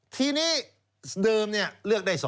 ทีนี้เดิมเลือกได้๒